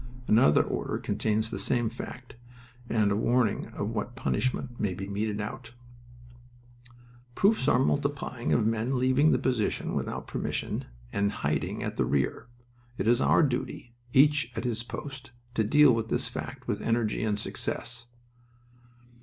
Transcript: Another order contains the same fact, and a warning of what punishment may be meted out: "Proofs are multiplying of men leaving the position without permission and hiding at the rear. It is our duty... each at his post to deal with this fact with energy and success."